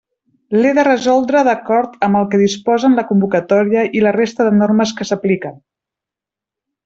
L'he de resoldre d'acord amb el que disposen la convocatòria i la resta de normes que s'apliquen.